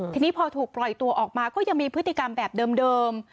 ทีนี้พอถูกปล่อยตัวออกมาก็ยังมีพฤติกรรมแบบเดิม